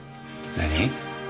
何？